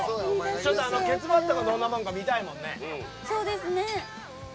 ケツバットがどんなもんか見たいもんね。